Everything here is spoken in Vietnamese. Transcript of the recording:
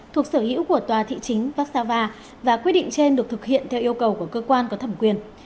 thuộc sở hữu của tòa thị chính vassava và quyết định trên được thực hiện theo yêu cầu của cơ quan có thẩm quyền